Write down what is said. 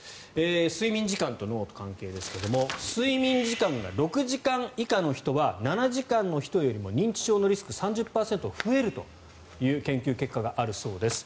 睡眠時間と脳の関係ですが睡眠時間が６時間以下の人は７時間の人よりも認知症のリスクが３０％増えるという研究結果があるそうです。